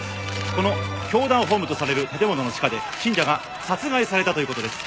この教団本部とされる建物の地下で信者が殺害されたという事です。